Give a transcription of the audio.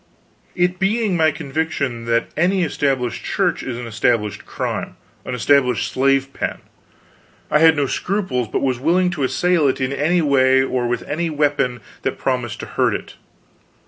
It being my conviction that any Established Church is an established crime, an established slave pen, I had no scruples, but was willing to assail it in any way or with any weapon that promised to hurt it.